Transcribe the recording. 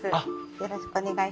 よろしくお願いします。